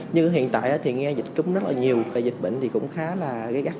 nhưng hiện tại thì nghe dịch cúm rất là nhiều và dịch bệnh thì cũng khá là gây gắt